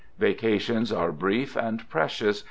Vacations are brief and precious.